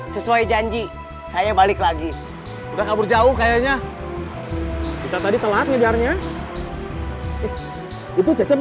sesuai janji saya balik lagi udah kabur jauh kayaknya kita tadi telat ngejarnya itu cecep